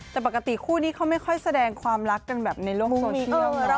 แต่ปกติคู่นี้เขาไม่ค่อยแสดงความรักกันแบบในโลกโซเชียล